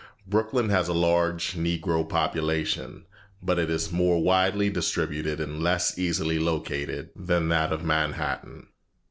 Brooklyn has a large Negro population, but it is more widely distributed and less easily located than that of Manhattan.